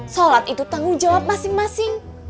sholat itu tanggung jawab masing masing